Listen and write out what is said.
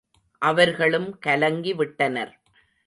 அவர்களும் கலங்கி விட்டனர்.